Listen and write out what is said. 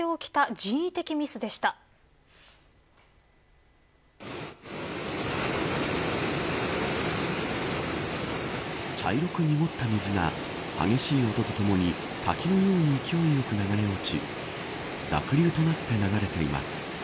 その原因は２年前上流にある発電所で起きた茶色く濁った水が激しい音とともに滝のように勢いよく流れ落ち濁流となって流れています。